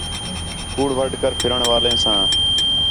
کُوڑ وڈھ کر پِھرݨ والیں ساں